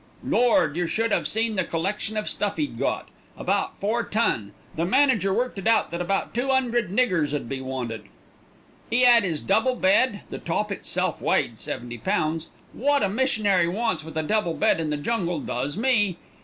Lord! yer should 'ave seen the collection of stuff 'e'd got. About four ton. The manager worked it out that about two 'undred niggers 'ud be wanted. "'E 'ad 'is double bed; the top itself weighed seventy pounds. Wot a missionary wants with a double bed in the jungle does me.